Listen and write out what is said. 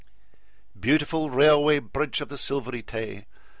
Beautiful Railway Bridge of the Silvery Tay!